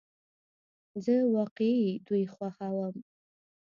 زه واقعی دوی خوښوم